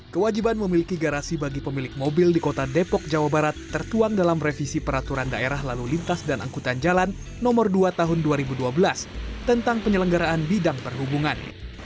kewajiban memiliki garasi bagi pemilik mobil di kota depok jawa barat tertuang dalam revisi peraturan daerah lalu lintas dan angkutan jalan no dua tahun dua ribu dua belas tentang penyelenggaraan bidang perhubungan